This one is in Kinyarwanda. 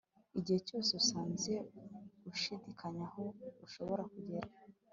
igihe cyose usanze ushidikanya aho ushobora kugera